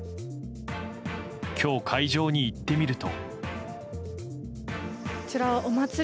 今日、会場に行ってみると。